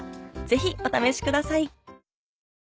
ぜひお試しください。